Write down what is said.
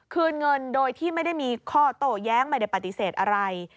คืนเงินโดยที่ไม่ได้มีข้อโต้แย้งไม่ได้ปฏิเสธอะไร